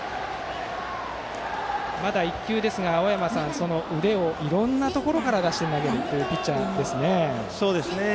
まだ１球ですが、青山さん腕をいろいろなところから出して投げるというピッチャーですね。